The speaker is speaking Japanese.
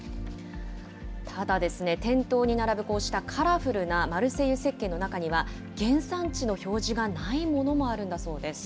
ただ、店頭に並ぶこうしたカラフルなマルセイユせっけんの中には、原産地の表示がないものもあるんだそうです。